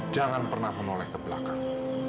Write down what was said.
jangan pernah menoleh ke belakang